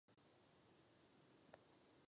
Náleží k Mlýnské čtvrti.